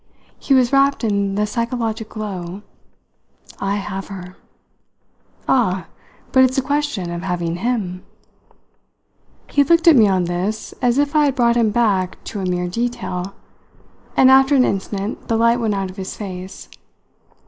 He was wrapped in the "psychologic" glow. "I have her!" "Ah, but it's a question of having him!" He looked at me on this as if I had brought him back to a mere detail, and after an instant the light went out of his face.